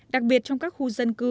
đặc biệt trong các khu dân cư